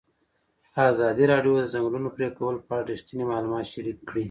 ازادي راډیو د د ځنګلونو پرېکول په اړه رښتیني معلومات شریک کړي.